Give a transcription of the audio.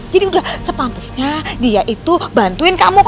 jadi udah sepantesnya dia itu bantuin kamu